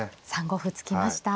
３五歩突きました。